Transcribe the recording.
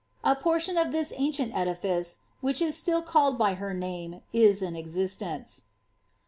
A portion of this ice, which is still called by her name, is in existence.'